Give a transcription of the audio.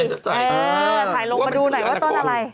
ถ่ายลงมาดูหน่อยว่าต้นอะไร